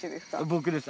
僕です。